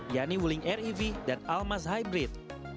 yakni wuling rev dan almas hybrid